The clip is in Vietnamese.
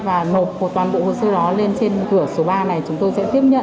và nộp một toàn bộ hồ sơ đó lên trên cửa số ba này chúng tôi sẽ tiếp nhận